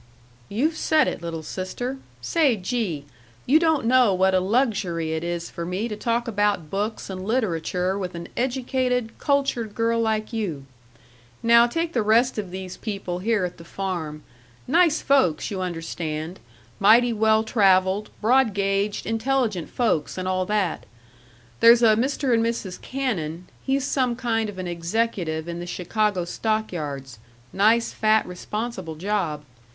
"You've said it, little sister.... Say, gee! you don't know what a luxury it is for me to talk about books and literature with an educated, cultured girl like you. Now take the rest of these people here at the farm nice folks, you understand, mighty well traveled, broad gauged, intelligent folks, and all that. There's a Mr. and Mrs. Cannon; he's some kind of an executive in the Chicago stock yards nice, fat, responsible job.